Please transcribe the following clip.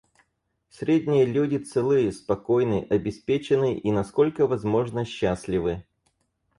Средние люди целы, спокойны, обеспечены и, насколько возможно, счастливы.